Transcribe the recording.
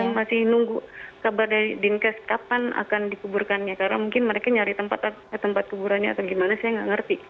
jadi ini masih nunggu kabar dari dinkes kapan akan dikuburkannya karena mungkin mereka nyari tempat kuburannya atau gimana saya tidak mengerti